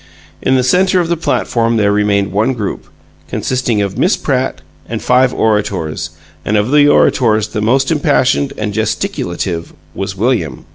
In the center of the platform there remained one group, consisting of Miss Pratt and five orators, and of the orators the most impassioned and gesticulative was William.